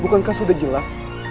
bukankah sudah jelas